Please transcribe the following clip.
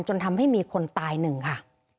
จนทำให้มีคนตายหนึ่งค่ะ